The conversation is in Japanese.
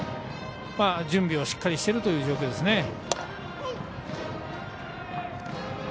準備をしっかりしてるという状況ですね。